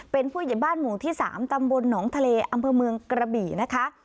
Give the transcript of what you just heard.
เป็นผู้ใหญ่บ้านหมู่ที่๓ตำบลหนองทะเลอำเภอเมืองกระบี่นะคะ